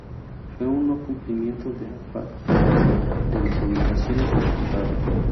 Fue un no cumplimiento "de facto" de las obligaciones del tratado.